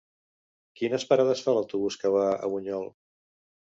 Quines parades fa l'autobús que va a Bunyol?